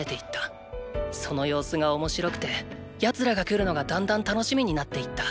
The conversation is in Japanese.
その様子が面白くて奴らが来るのがだんだん楽しみになっていった。